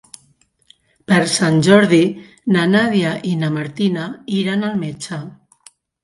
Per Sant Jordi na Nàdia i na Martina iran al metge.